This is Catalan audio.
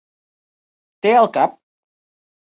Té el cap?